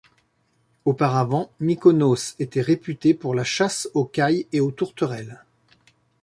Auparavant Mykonos était réputée pour la chasse aux cailles et aux tourterelles.